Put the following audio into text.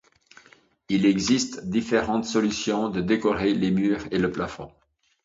il existe différentes solutions de décorer les murs et le plafond